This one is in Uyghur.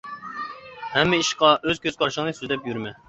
ھەممە ئىشقا ئۆز كۆز قارىشىڭنى سۆزلەپ يۈرمە.